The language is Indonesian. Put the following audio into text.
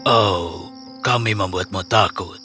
oh kami membuatmu takut